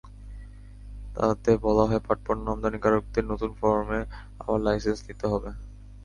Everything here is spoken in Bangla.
তাতে বলা হয়, পাটপণ্য আমদানিকারকদের নতুন ফরমে আবার লাইসেন্স নিতে হবে।